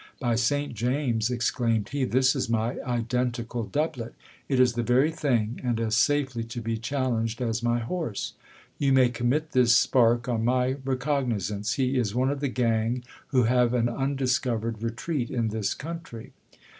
By Saint James, exclaimed he, this is my identical doublet ! It is the very thing, and as safely to be chal lenged as my horse. You may commit this spark on my recognizance ; he is one of the gang who have an undiscovered retreat in this country.